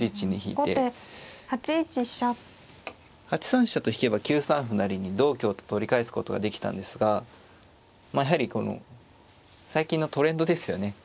８三飛車と引けば９三歩成に同香と取り返すことができたんですがまあやはりこの最近のトレンドですよね。